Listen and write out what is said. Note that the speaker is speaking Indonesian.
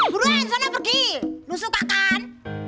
burung sana pergi lu suka kan